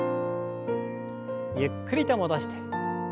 ゆっくりと戻して。